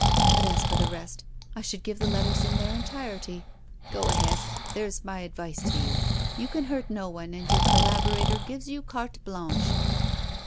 But, as for the rest, I should give the letters in their entirety. Go ahead, that's my advice to you. You can hurt none, and your collaborator gives you carte blanche."